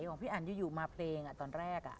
ของพี่อันยูมาเพลงอะตอนแรกอะ